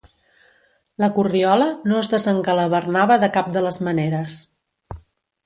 La corriola no es desengalavernava de cap de les maneres.